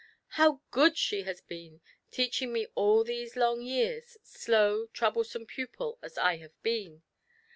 How good she has been, teaching me all these long years, slow, troublesome pupil as I have been